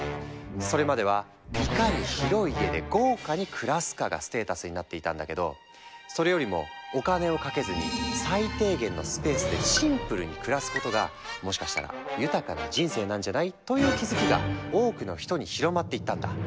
それまではいかに広い家で豪華に暮らすかがステータスになっていたんだけどそれよりもお金をかけずに最低限のスペースでシンプルに暮らすことがもしかしたら豊かな人生なんじゃない？という気付きが多くの人に広まっていったんだ。